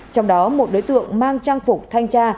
trong đó một đối tượng mang trang phục thanh tra